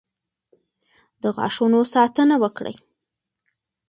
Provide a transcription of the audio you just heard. د غاښونو ساتنه وکړئ.